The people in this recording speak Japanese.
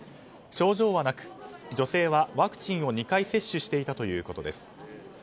症状はなく、女性はワクチンを２回接種していたということです。